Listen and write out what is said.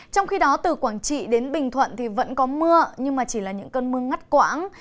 trong khi đó từ quảng trị đến bình thuận thì vẫn có mưa nhưng chỉ là những cơn mưa ngắt quãng